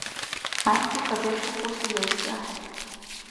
ХӀянчи кадерхахъурси левси ахӀен.